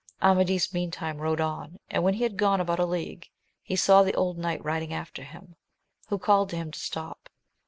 Amadis meantime rode on, and when he had gone about a league, he saw the old knight riding after him, who called to him to stop.